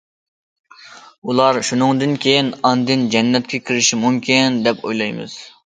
ئۇلار شۇنىڭدىن كېيىن ئاندىن جەننەتكە كىرىشى مۇمكىن، دەپ ئويلايمىز.